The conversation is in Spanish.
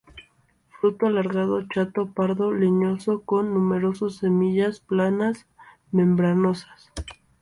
Fruto alargado, chato, pardo, leñoso, con numerosas semillas, planas, membranosas.